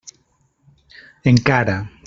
Encara.